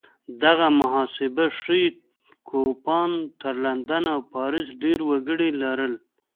دغه محاسبه ښيي کوپان تر لندن او پاریس ډېر وګړي لرل.